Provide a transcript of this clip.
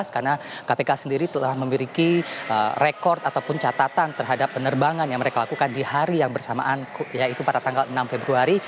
karena kpk sendiri telah memiliki rekod ataupun catatan terhadap penerbangan yang mereka lakukan di hari yang bersamaan yaitu pada tanggal enam februari